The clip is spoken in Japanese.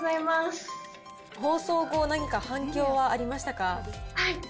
放送後、何か反響はありましはい。